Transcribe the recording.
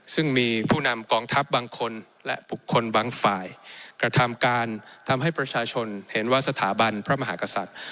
ซึ่งมีผู้นำกองทัพบางคนและบุคคลบางฝ่ายกระทำการทำให้ประชาชนเห็นว่าสถาบันพระมหากษัตริย์